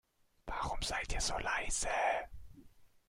Warum seid ihr so leise?